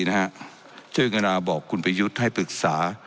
เจ้าจังหญิงอาบอกคุณประยุทธ์ให้ปรึกษา